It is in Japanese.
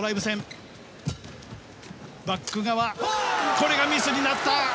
これがミスになった！